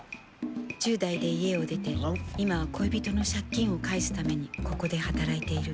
１０代で家を出て今は恋人の借金を返すためにここで働いている。